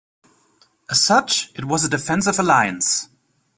As such, it was a defensive alliance.